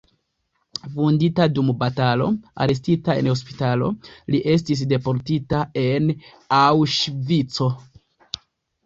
Vundita dum batalo, arestita en hospitalo, li estis deportita en Aŭŝvico.